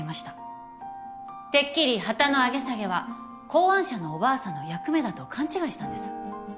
てっきり旗の上げ下げは考案者のおばあさんの役目だと勘違いしたんです。